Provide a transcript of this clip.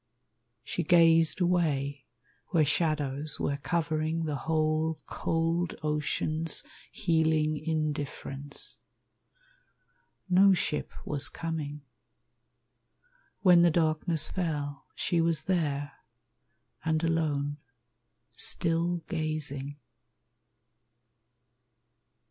She gazed away where shadows were covering The whole cold ocean's healing indifference. No ship was coming. When the darkness Fell, she was there, and alone, still gazing.